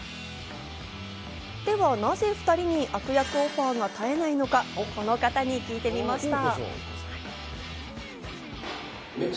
ではなぜ２人に悪役のオファーが絶えないのか、この方に聞いてみました。